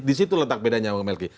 di situ letak bedanya bang melki